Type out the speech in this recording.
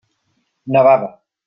Nevava.